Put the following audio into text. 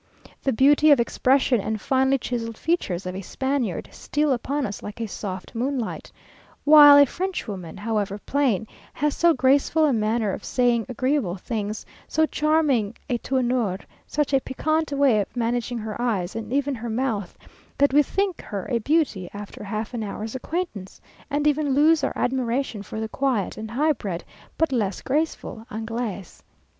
The beauty of expression and finely chiselled features of a Spaniard steal upon us like a soft moonlight, while a Frenchwoman, however plain, has so graceful a manner of saying agreeable things, so charming a tournure, such a piquant way of managing her eyes, and even her mouth, that we think her a beauty after half an hour's acquaintance, and even lose our admiration for the quiet and high bred, but less graceful Anglaise.